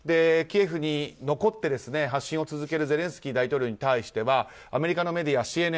キエフに残って、発信を続けるゼレンスキー大統領に対してはアメリカのメディア、ＣＮＮ。